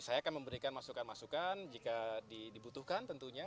saya akan memberikan masukan masukan jika dibutuhkan tentunya